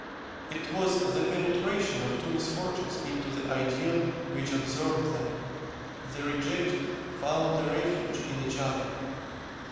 It was the penetration of two misfortunes into the ideal which absorbed them. The rejected found a refuge in each other.